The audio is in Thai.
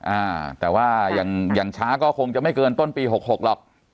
อ่าแต่ว่าอย่างช้าก็คงจะไม่เกินต้นปี๖๖หรอก